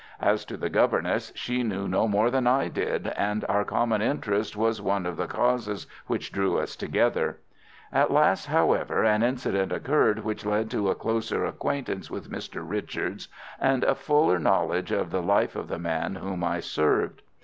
As to the governess, she knew no more than I did, and our common interest was one of the causes which drew us together. At last, however, an incident occurred which led to a closer acquaintance with Mr. Richards and a fuller knowledge of the life of the man whom I served.